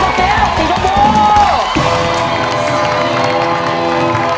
สุภาพกระตรีสุเตี๊ยวสีชมพู